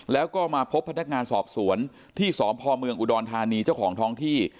แล้วก็มาพบพนักงานสอบสวนที่สพเมืองอุดรธานีเจ้าของท้องที่